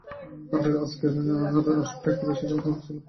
আজকের আসরটা একটু বেশিই জাঁকজমকপূর্ণ ছিল, তাই না?